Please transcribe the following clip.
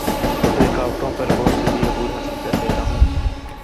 رکاوٹوں پر بہت جلدی عبور حاصل کر لیتا ہوں